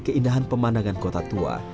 keindahan pemandangan kota tua